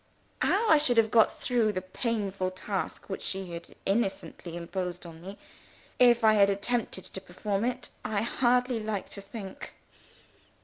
How I should have got through the painful task which she had innocently imposed on me, if I had attempted to perform it, I hardly like to think.